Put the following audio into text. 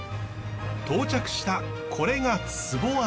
到着したこれがツボ網。